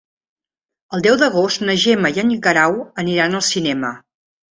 El deu d'agost na Gemma i en Guerau aniran al cinema.